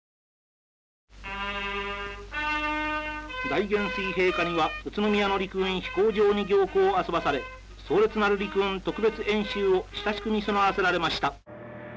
「大元帥陛下には宇都宮の陸軍飛行場に行幸あそばされ壮烈なる陸軍特別演習を親しく見そなわせられました」。